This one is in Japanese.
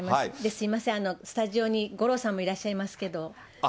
すみません、スタジオに五郎さんもいらっしゃいますけれども。